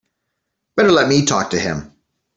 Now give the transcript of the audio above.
Better let me talk to him.